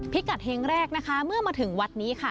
พิกัดเฮงแรกนะคะเมื่อมาถึงวัดนี้ค่ะ